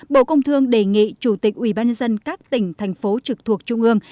bộ công thương đề nghị chủ tịch ubnd các tỉnh thành phố trực thuộc trung ương